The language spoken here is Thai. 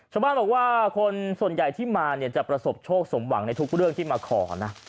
ชาวบ้านบอกว่าคนส่วนใหญ่ที่มาเนี่ยจะประสบโชคสมหวังในทุกเรื่องที่มาขอนะ